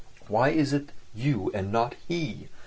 "Why is it you and not he?